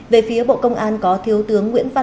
về phía bộ công an có thiếu tướng nguyễn văn